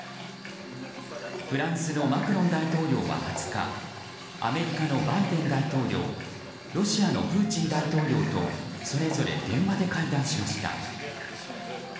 フランスのマクロン大統領は２０日アメリカのバイデン大統領ロシアのプーチン大統領とそれぞれ電話で会談しました。